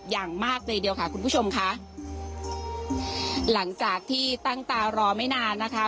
อย่างมากเลยทีเดียวค่ะคุณผู้ชมค่ะหลังจากที่ตั้งตารอไม่นานนะคะ